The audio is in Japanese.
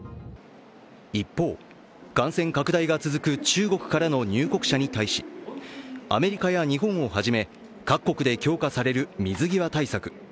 一方、感染拡大が続く中国からの入国者に対しアメリカや日本をはじめ各国で強化される水際対策。